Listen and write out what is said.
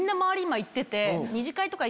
今行ってて。